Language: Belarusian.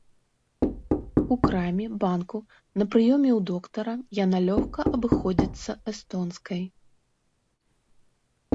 У краме, банку, на прыёме ў доктара яна лёгка абыходзіцца эстонскай.